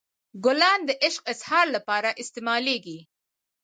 ګلان د عشق اظهار لپاره استعمالیږي.